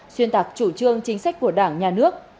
xuyên tạc chủ trương chính sách của đảng nhà nước